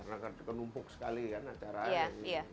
karena kenumpuk sekali kan acara ini